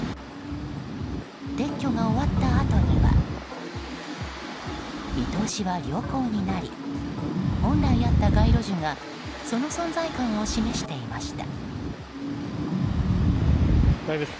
撤去が終わったあとには見通しは良好になり本来あった街路樹がその存在感を示していました。